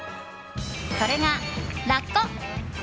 それが、ラッコ。